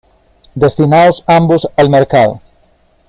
Destinados ambos al mercado.